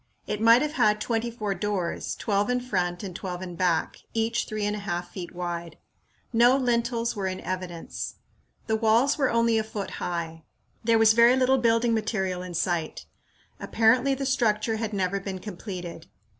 It might have had twenty four doors, twelve in front and twelve in back, each three and a half feet wide. No lintels were in evidence. The walls were only a foot high. There was very little building material in sight. Apparently the structure had never been completed.